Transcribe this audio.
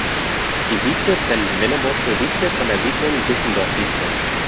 Die Wietze trennt Wennebostel-Wietze von der Siedlung Bissendorf-Wietze.